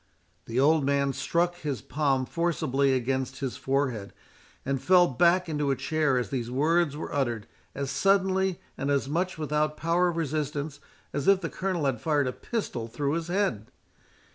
The old man struck his palm forcibly against his forehead, and fell back into a chair as these words were uttered, as suddenly, and as much without power of resistance, as if the Colonel had fired a pistol through his head.